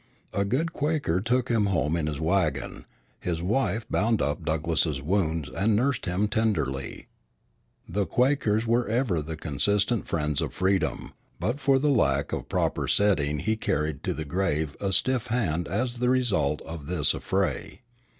A good Quaker took him home in his wagon, his wife bound up Douglass's wounds and nursed him tenderly, the Quakers were ever the consistent friends of freedom, but for the lack of proper setting he carried to the grave a stiff hand as the result of this affray.